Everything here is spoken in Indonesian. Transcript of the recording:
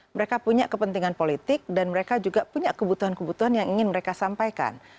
mereka punya kepentingan politik dan mereka juga punya kebutuhan kebutuhan yang ingin mereka sampaikan